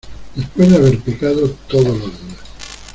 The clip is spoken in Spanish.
después de haber pecado todos los días.